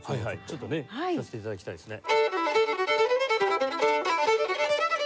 ちょっとね聴かせて頂きたいですね。